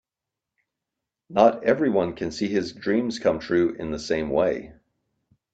Not everyone can see his dreams come true in the same way.